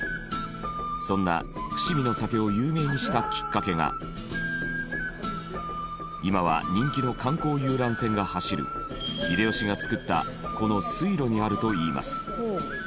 そんな伏見の酒を有名にしたきっかけが今は人気の観光遊覧船が走る秀吉が造ったこの水路にあるといいます。